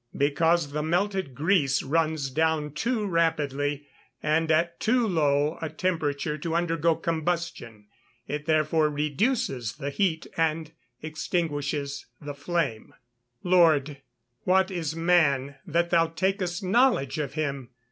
_ Because the melted grease runs down too rapidly, and at too low a temperature to undergo combustion. It therefore reduces the heat, and extinguishes the flame. [Verse: "Lord, what is man that thou takest knowledge of him!